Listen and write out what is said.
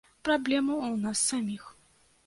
Праблема ў нас саміх.